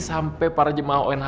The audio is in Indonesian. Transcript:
sampai para jemaah orang lainnya